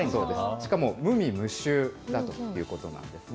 しかも無味無臭だということなんですね。